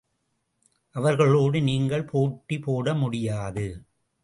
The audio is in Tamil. அவர்களோடு நீங்கள் போட்டி போடமுடியாது.